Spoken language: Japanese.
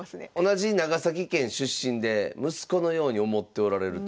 同じ長崎県出身で息子のように思っておられるということで。